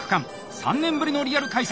３年ぶりのリアル開催！